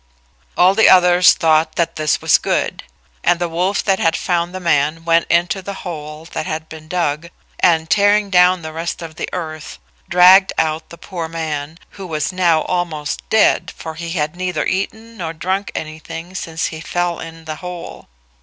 All the others thought that this was good, and the wolf that had found the man went into the hole that had been dug, and tearing down the rest of the earth, dragged out the poor man, who was now almost dead, for he had neither eaten nor drunk anything since he fell in the hole.